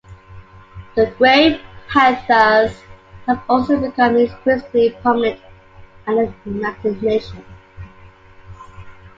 The Gray Panthers have also become increasingly prominent at the United Nations.